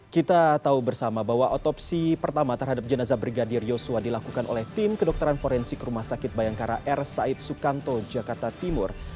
kita tahu bersama bahwa otopsi pertama terhadap jenazah brigadir yosua dilakukan oleh tim kedokteran forensik rumah sakit bayangkara r said sukanto jakarta timur